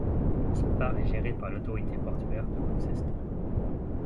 Ce phare est géré par l'autorité portuaire de Gloucester.